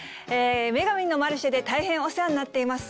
『女神のマルシェ』で大変お世話になっています。